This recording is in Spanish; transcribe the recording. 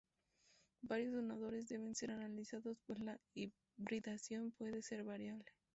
Varios donadores deben ser analizados pues la hibridación puede ser variable.